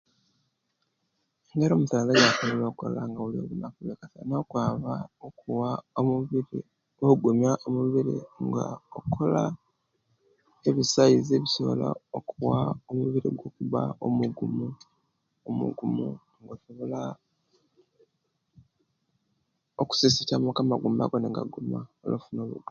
Engeri omusaiza ejasobola okola nga abulira obonafu alina okwaba okuwa omubiri ogumiya omubiri nga okola ebisaizi ebisobila okuwa omubiri gwo okuba omugumu omugumu osobola okusisica muku amagumba go nigaba nga gaguma